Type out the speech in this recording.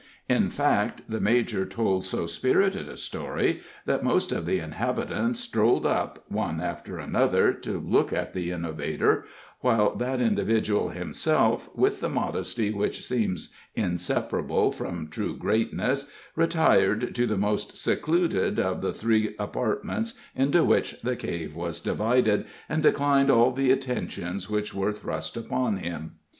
In fact, the major told so spirited a story, that most of the inhabitants strolled up, one after another, to look at the innovator, while that individual himself, with the modesty which seems inseparable from true greatness, retired to the most secluded of the three apartments into which the cave was divided, and declined all the attentions which were thrust upon him.